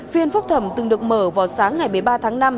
phiên phúc thẩm từng được mở vào sáng ngày một mươi ba tháng năm